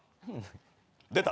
出た。